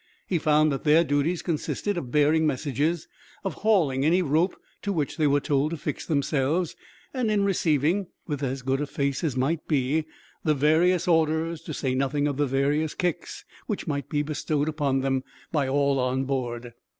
He found that their duties consisted of bearing messages, of hauling any rope to which they were told to fix themselves, and in receiving, with as good a face as might be, the various orders, to say nothing of the various kicks, which might be bestowed upon them by all on board.